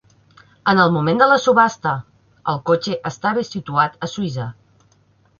En el moment de la subhasta, el cotxe estava situat a Suïssa.